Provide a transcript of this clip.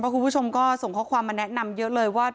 คุณผู้ชมก็ส่งข้อความมาแนะนำเยอะเลยว่า